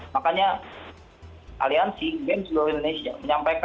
makanya aliansi bank jual indonesia menyampaikan